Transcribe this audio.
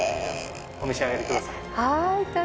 お召し上がりください。